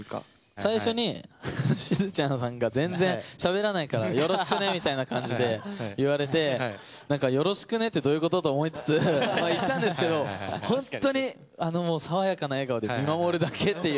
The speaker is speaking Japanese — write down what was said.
最初にしずちゃんさんが全然しゃべらないからよろしくねみたいな感じで言われてよろしくねってどういうこと？と思いつついったんですけどほんとに爽やかな笑顔で見守るだけっていう。